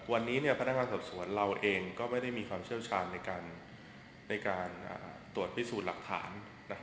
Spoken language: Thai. วันนี้พนักงานสอบสวนเราเองก็ไม่ได้มีความเชี่ยวชาญในการตรวจพิสูจน์หลักฐาน